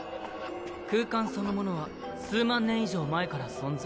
空間そのものは数万年以上前から存在。